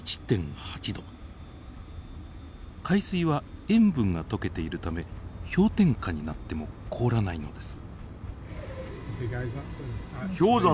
海水は塩分が溶けているため氷点下になっても凍らないのです。